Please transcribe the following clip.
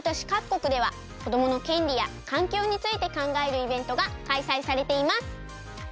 こくではこどものけんりやかんきょうについてかんがえるイベントがかいさいされています。